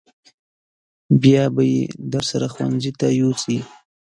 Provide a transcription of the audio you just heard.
بیا به یې درسره ښوونځي ته یوسې.